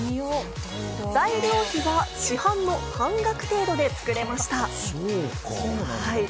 材料費は市販の半額程度で作れました。